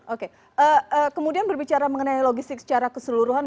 oke kemudian berbicara mengenai logistik secara keseluruhan